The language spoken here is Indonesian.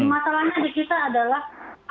masalahnya di kita adalah